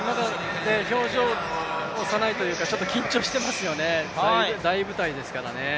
表情が幼いというか、ちょっと緊張していますよね、大舞台ですからね。